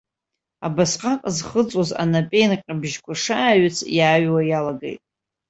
Абасҟак зхыҵуаз анапеинҟьабжьқәа шааҩыц иааҩуа иалагеит.